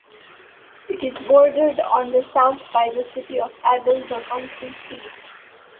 It is bordered on the south by the city of Adel, the county seat.